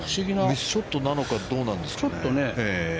ミスショットなのかどうなんですかね。